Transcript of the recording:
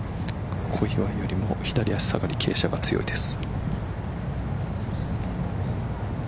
小祝よりも左足下がり傾斜が強いです。